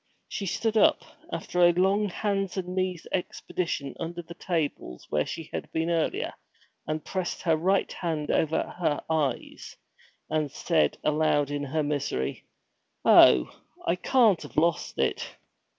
She stood up, after a long hands and knees expedition under the tables where she had been earlier, and pressed her right hand over her eyes, and said aloud in her misery, 'Oh, I can't have lost it!